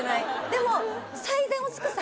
でも。